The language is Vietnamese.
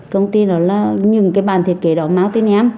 công ty nói là những cái bản thiết kế đó mang tên em